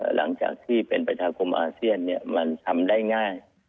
หลังจากที่เป็นประชาคมอาเซียนมันทำได้ง่าย